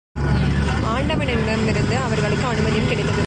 ஆண்டவனிடமிருந்து அவர்களுக்கு அனுமதியும் கிடைத்தது.